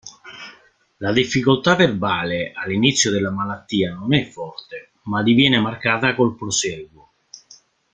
La difficoltà verbale all'inizio della malattia non è forte, ma diviene marcata col prosieguo.